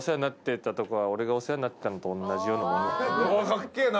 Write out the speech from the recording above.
かっけぇな。